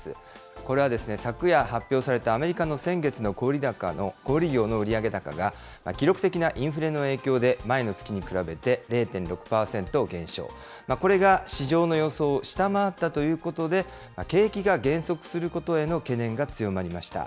これは昨夜発表されたアメリカの先月の小売り業の売上高が、記録的なインフレの影響で前の月に比べて０．６％減少、これが市場の予想を下回ったということで、景気が減速することへの懸念が強まりました。